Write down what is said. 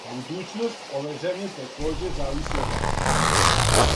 Будућност ове земље такође зависи од вас.